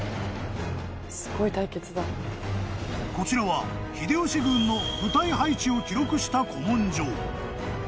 ［こちらは秀吉軍の部隊配置を記録した古文書］